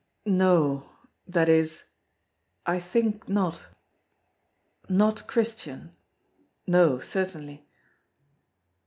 "No; that is, I think not not Christian. No, certainly."